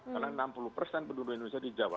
karena enam puluh persen penduduk indonesia di jawa